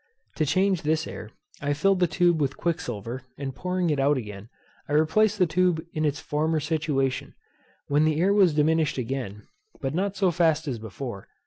To change this air I filled the tube with quicksilver, and pouring it out again, I replaced the tube in its former situation; when the air was diminished again, but not so fast as before.